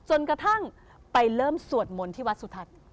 จนกระทั่งไปเริ่มสวดมนต์ที่วัดสุทัศน์